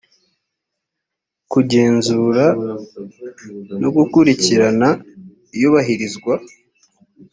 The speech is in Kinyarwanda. kugenzura no gukurikirana iyubahirizwa